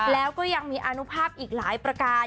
แล้วก็ยังมีอนุภาพอีกหลายประการ